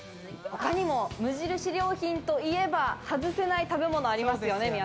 他にも無印良品といえば外せない食べ物がありますよね。